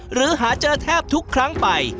หรือหาเจอแทบทุกครั้งไป